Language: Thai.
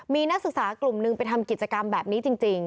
มีนักศึกษากลุ่มหนึ่งไปทำกิจกรรมแบบนี้จริง